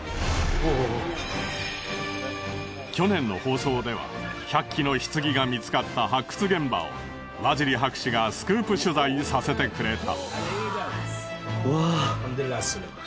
去年の放送では１００基の棺が見つかった発掘現場をワジリ博士がスクープ取材させてくれた。